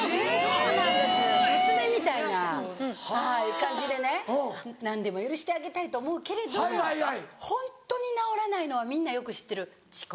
そうなんです娘みたいな感じでね何でも許してあげたいと思うけれどもホントに直らないのはみんなよく知ってる遅刻。